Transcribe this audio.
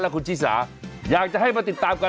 คุณชิสาอยากจะให้มาติดตามกัน